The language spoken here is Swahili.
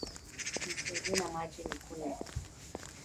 Nisaidie na maji nikunywe